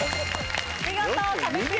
見事壁クリアです。